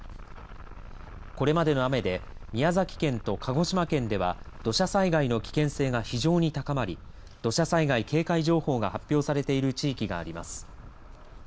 これまでの雨で宮崎県と鹿児島県では土砂災害の危険性が非常に高まり土砂災害警戒情報が発表されている地域があります。